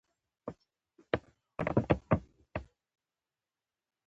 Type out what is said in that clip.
ایا زه باید ډاکټر ته لاړ شم؟